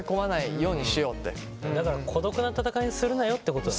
だから孤独な闘いにするなよってことだ。